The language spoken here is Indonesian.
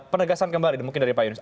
penegasan kembali mungkin dari pak yunus